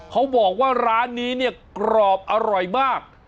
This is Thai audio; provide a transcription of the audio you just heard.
เขาบอกว่าร้านนี้เนี่ยกรอบอร่อยมาก